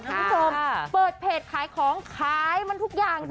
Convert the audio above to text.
ครับผมเปิดเพจขายของขายมันทุกอย่างสิค่ะ